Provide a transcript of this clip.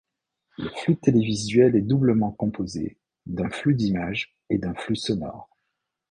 Le flux télévisuel est doublement composé d'un flux d'images et d'un flux sonore.